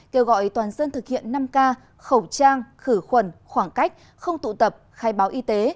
kêu gọi toàn dân thực hiện năm k khẩu trang khử khuẩn khoảng cách không tụ tập khai báo y tế